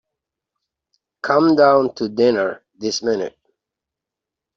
Come down to dinner this minute.